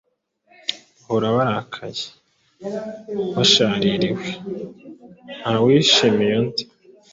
Bahora barakaye, bashaririwe, nta wishimiye undi.